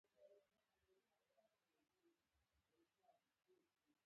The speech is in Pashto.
غوا ارامه او صبرناکه طبیعت لري.